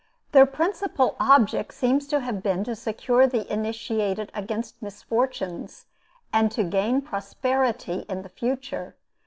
Their principal object seems to have been to secure the initiated against misfortunes, and to gain prosperity in the future.